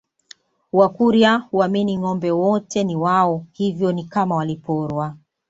Wakurya huamini ngombe wote ni wao hivyo ni kama waliporwa